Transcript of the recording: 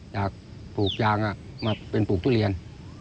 จากปลูกยางมาเป็นปลูกทุเรียน